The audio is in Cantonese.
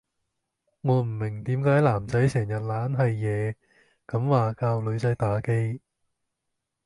我唔明點解男仔成日懶係野咁話教女仔打機